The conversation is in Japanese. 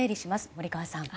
森川さん。